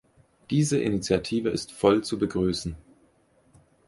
Diese Initiative ist voll zu begrüßen.